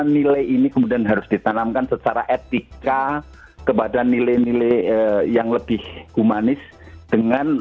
nilai ini kemudian harus ditanamkan secara etika kepada nilai nilai yang lebih humanis dengan